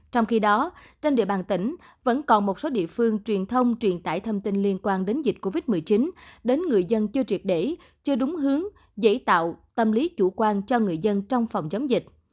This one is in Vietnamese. trong khi đó trên địa bàn tỉnh vẫn còn một số địa phương truyền thông truyền tải thông tin liên quan đến dịch covid một mươi chín đến người dân chưa triệt để chưa đúng hướng dễ tạo tâm lý chủ quan cho người dân trong phòng chống dịch